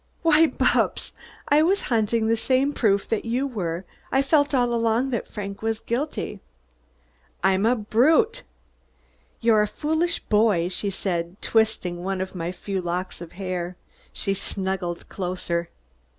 "Why, Bupps, I was hunting the same proof that you were. I felt all along that Frank was guilty." "I'm a brute!" "You're a foolish boy," she said, twisting one of my few locks of hair. She snuggled closer.